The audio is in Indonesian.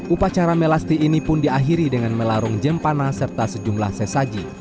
upacara melasti ini pun diakhiri dengan melarung jempana serta sejumlah sesaji